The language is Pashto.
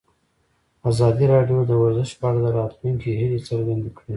ازادي راډیو د ورزش په اړه د راتلونکي هیلې څرګندې کړې.